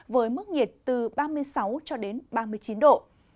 với mức nhiệt từ ba mươi sáu cho đến ba mươi chín độ